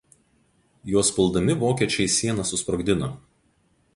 Juos puldami vokiečiai sieną susprogdino.